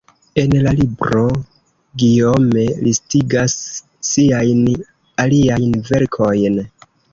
En la libro, Guillaume listigas siajn aliajn verkojn.